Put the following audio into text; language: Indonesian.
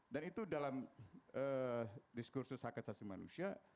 dan itu dalam diskursus hak asasi manusia